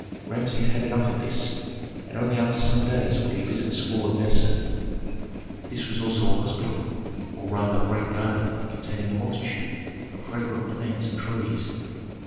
Rameses had enough of this, and only after some days would he visit the school of medicine. This was also a hospital, or rather great garden containing a multitude of fragrant plants and trees.